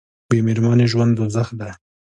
بې میرمنې ژوند دوزخ دی